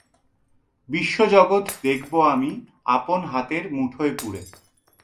বিশ্বজগৎ দেখবো আমি আপন হাতের মুঠোয় পুরে।